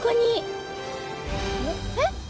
えっ！？